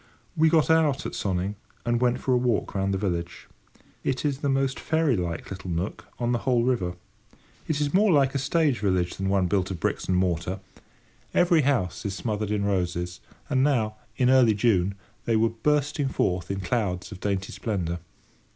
We got out at Sonning, and went for a walk round the village. It is the most fairy like little nook on the whole river. It is more like a stage village than one built of bricks and mortar. Every house is smothered in roses, and now, in early June, they were bursting forth in clouds of dainty splendour.